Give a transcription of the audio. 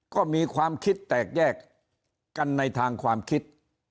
ก็มีความคิดแตกแยกกันในทางความคิด